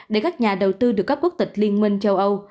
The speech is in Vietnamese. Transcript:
để các nhà đầu tư được các quốc tịch liên minh châu âu